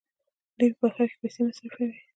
دوی په بهر کې پیسې مصرفوي.